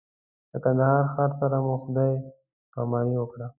د کندهار ښار سره مو خدای پاماني وکړه.